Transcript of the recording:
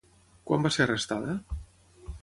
Quan va ser arrestada?